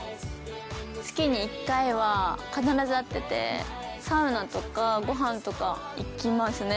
月に１回は必ず会っててサウナとかご飯とか行きますね。